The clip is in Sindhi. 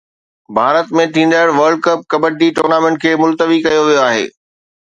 ڀارت ۾ ٿيندڙ ورلڊ ڪپ ڪبڊي ٽورنامينٽ کي ملتوي ڪيو ويو آهي